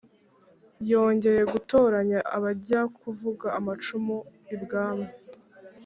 yongeye gutoranya abajya kuvuga amacumu ibwami